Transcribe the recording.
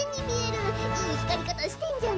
いい光り方してんじゃない。